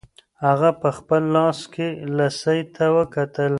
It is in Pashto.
هغه په خپل لاس کې لسی ته وکتل.